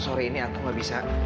sorry ini aku gak bisa